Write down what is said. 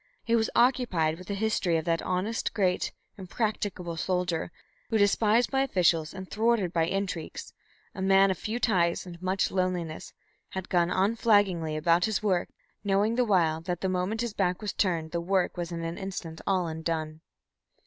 He was occupied with the history of that honest, great, impracticable soldier, who, despised by officials and thwarted by intrigues, a man of few ties and much loneliness, had gone unflaggingly about his work, knowing the while that the moment his back was turned the work was in an instant all undone.